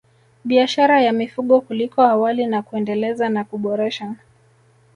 Biashara ya mifugo kuliko awali na kuendeleza na kuboresha